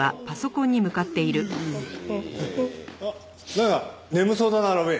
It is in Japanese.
なんか眠そうだな路敏。